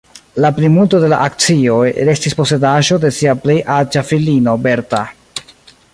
La plimulto de la akcioj restis posedaĵo de sia plej aĝa filino Bertha.